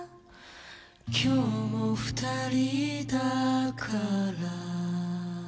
「今日も２人だから」